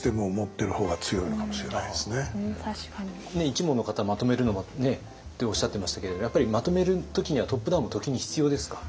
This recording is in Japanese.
一門の方まとめるのもねっておっしゃってましたけれどやっぱりまとめる時にはトップダウンも時に必要ですか？